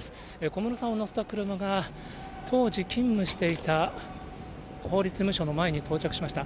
小室さんを乗せた車が、当時勤務していた法律事務所の前に到着しました。